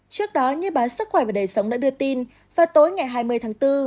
trước đó như báo sức khỏe và đời sống đã đưa tin vào tối ngày hai mươi tháng bốn